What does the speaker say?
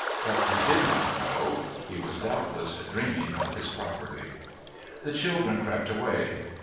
But he did not know. He was doubtless dreaming of his property. The children crept away.